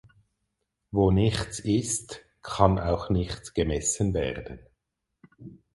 Wo nichts ist, kann auch nichts gemessen werden.